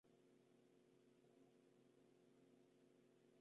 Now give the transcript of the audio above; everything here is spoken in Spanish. Además es actriz y modelo.